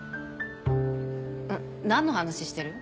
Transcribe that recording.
何の話してる？